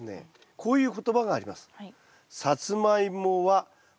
こういう言葉があります。